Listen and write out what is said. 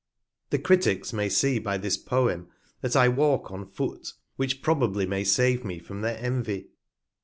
The JL Criticks may see by this Poem, that I walk on Foot, which probably may save me from their Envy.